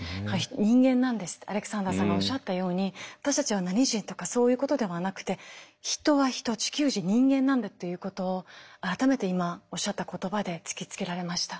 「人間なんです」ってアレクサンダーさんがおっしゃったように私たちは何人とかそういうことではなくて人は人地球人人間なんだっていうことを改めて今おっしゃった言葉で突きつけられました。